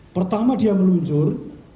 pertama dia meluncur